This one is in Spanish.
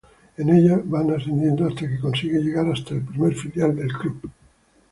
En ellas va ascendiendo hasta que consigue llegar hasta el primer filial del club.